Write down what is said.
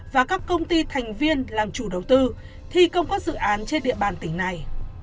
và các công ty thành viên làm chủ đầu tư thi công các dự án trên địa bàn tỉnh này